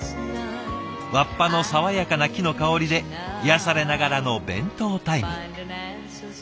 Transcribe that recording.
わっぱの爽やかな木の香りで癒やされながらの弁当タイム。